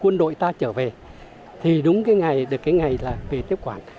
quân đội ta trở về thì đúng cái ngày là về tiếp quản